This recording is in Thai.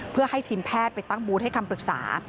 เพื่อให้ทีมแพทย์ไปตั้งบูธให้คำปรึกษา